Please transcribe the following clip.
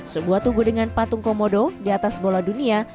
sebuah tugu dengan patung komodo di atas bola dunia